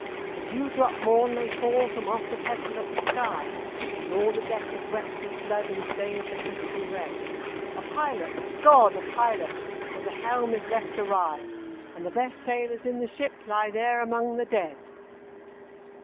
"The dewdrop morn may fall from off the petal of the sky, But all the deck is wet with blood and stains the crystal red. A pilot, GOD, a pilot! for the helm is left awry, And the best sailors in the ship lie there among the dead!"